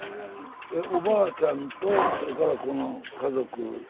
おばあちゃんとそれからこの家族で住んでんの？